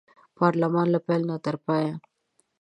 پارلمان له پیل تر پایه